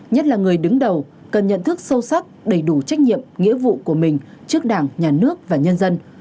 cần nhận thức sâu sắc đầy đủ trách nhiệm nghĩa vụ của mình trước đảng nhà nước và nhân dân